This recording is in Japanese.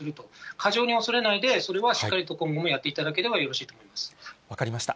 過剰に恐れないで、それはしっかりと今後もやっていただければよ分かりました。